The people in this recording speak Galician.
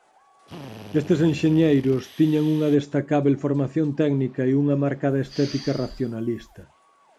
Estes enxeñeiros tiñan unha destacábel formación técnica e unha marcada estética racionalista.